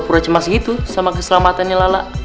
pura cemas gitu sama keselamatannya lala